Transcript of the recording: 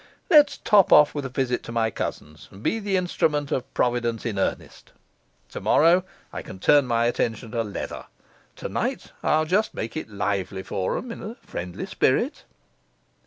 Let's top off with a visit to my cousins, and be the instrument of Providence in earnest. Tomorrow I can turn my attention to leather; tonight I'll just make it lively for 'em in a friendly spirit.